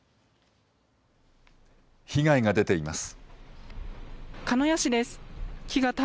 被害が出ています。